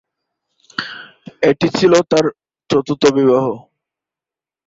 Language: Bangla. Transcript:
এটি ছিল তার চতুর্থ বিবাহ।